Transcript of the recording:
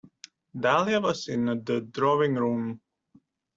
Dahlia was in the drawing-room.